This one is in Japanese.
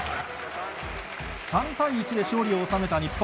３対１で勝利を収めた日本。